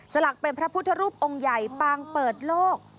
สลักเป็นพระพุทธรูปองค์ใหญ่ปางเปิดโลก